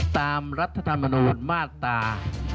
ตามรัฐธรรมนูลมาตรา๙๑